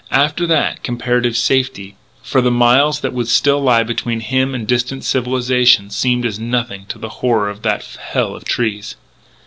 After that, comparative safety. For the miles that still would lie between him and distant civilisation seemed as nothing to the horror of that hell of trees.